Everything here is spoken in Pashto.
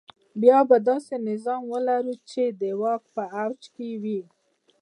بیا به داسې نظام ولرو چې د واک په اوج کې وي.